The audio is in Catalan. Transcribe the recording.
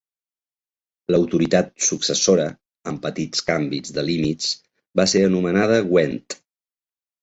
L'autoritat successora, amb petits canvis de límits, va ser anomenada Gwent.